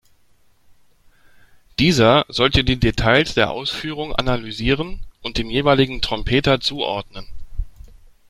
Dieser sollte die Details der Ausführung analysieren und dem jeweiligen Trompeter zuordnen.